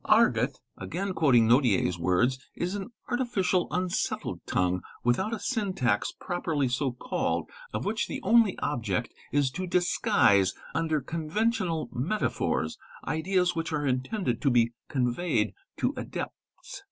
|' Argot," again quoting Nodier's words, "is an artificial, unsettled tongue, without a syntax properly so called, of which the only object is to disguise under conventional metaphors ideas which are intended to be conveyed to adepts.